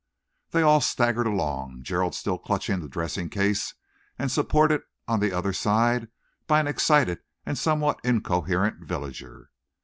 They all staggered along, Gerald still clutching the dressing case, and supported on the other side by an excited and somewhat incoherent villager.